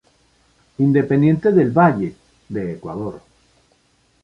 Independiente del Valle, de Ecuador.